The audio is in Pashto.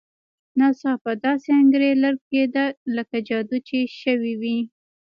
ناڅاپه داسې انګېرل کېده لکه جادو چې شوی وي.